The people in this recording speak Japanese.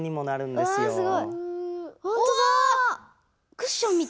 クッションみたい。